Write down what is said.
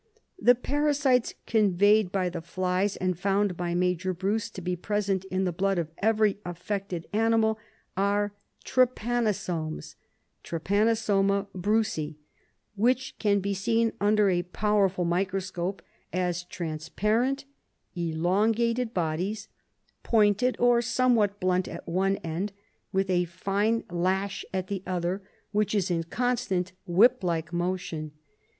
The parasites conveyed by the flies, and found by Major Bruce to be present in the blood of every affected animal, are trypanosomes (Trypanosoma hrucei), which can be seen under a powerful microscope as transparent, elongated bodies, pointed or somewhat blunt at one end, with a fine lash at the other, which is in constant whip like motion.